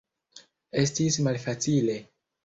Estis malfacile.